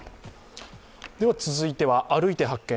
続いては、「歩いて発見！